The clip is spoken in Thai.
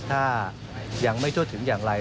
ถ้ายังไม่ทั่วถึงอย่างไร